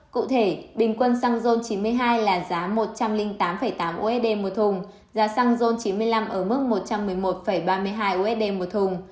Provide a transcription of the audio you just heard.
cụ thể bình quân xăng chín mươi hai là giá một trăm linh tám tám usd một thùng giá xăng rôn chín mươi năm ở mức một trăm một mươi một ba mươi hai usd một thùng